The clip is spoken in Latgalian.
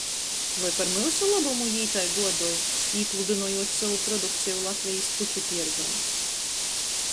Voi par myusu lobumu jī tai guodoj, īpludynojūt sovu produkceju Latvejis puču tiergā?